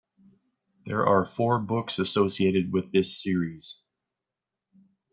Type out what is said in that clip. There are four books associated with the series.